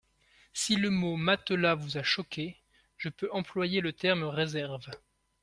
Si le mot « matelas » vous a choqué, je peux employer le terme « réserves ».